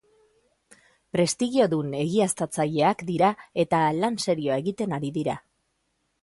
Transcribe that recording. Prestigiodun egiaztatzaileak dira eta lan serioa egiten ari dira.